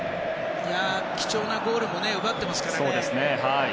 貴重なゴールも奪ってますからね。